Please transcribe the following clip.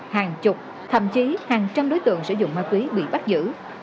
hàng chục thậm chí hàng trăm đối tượng sử dụng ma túy bị bắt giữ